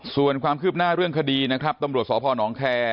ส่วนความคืบหน้าเรื่องคดีนะครับตำรวจสพนแคร์